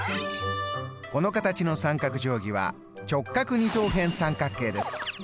この形の三角定規は直角二等辺三角形です。